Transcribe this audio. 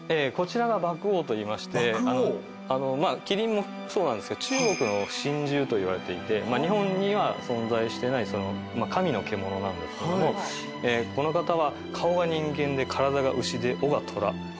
獏王といいまして麒麟もそうなんですが中国の神獣といわれていて日本には存在してない神の獣なんですけどもこの方は顔は人間で体が牛で尾が虎目が９つございます。